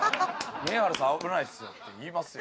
「見栄晴さん危ないっすよ」って言いますよ。